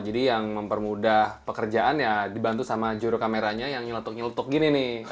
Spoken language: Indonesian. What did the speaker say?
jadi yang mempermudah pekerjaan ya dibantu sama juru kameranya yang nyeletuk nyeletuk gini nih